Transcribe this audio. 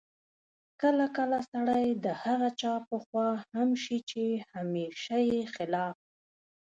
کله کله سړی د هغه چا په خوا هم شي چې همېشه یې خلاف